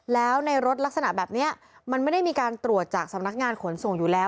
แล้วในรถลักษณะแบบนี้มันไม่ได้มีการตรวจจากสำนักงานขนส่งอยู่แล้ว